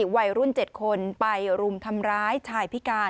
วัยรุ่น๗คนไปรุมทำร้ายชายพิการ